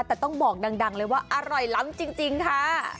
แต่ต้องบอกดังเลยว่าอร่อยล้ำจริงค่ะ